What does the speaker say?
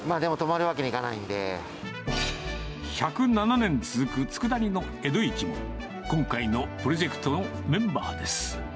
１０７年続くつくだ煮の江戸一も、今回のプロジェクトのメンバーです。